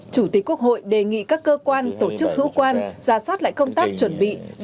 chủ tịch quốc hội đề nghị các cơ quan tổ chức hữu quan ra soát lại công tác chuẩn bị